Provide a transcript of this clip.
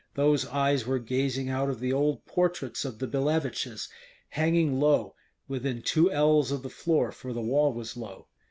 Those eyes were gazing out of the old portraits of the Billeviches, hanging low, within two ells of the floor, for the wall was low.